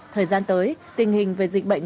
thời gian tới tình hình về dịch bệnh